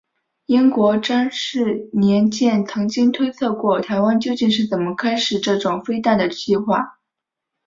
英国詹氏年鉴曾经推测过台湾究竟是怎么开始这种飞弹的计划。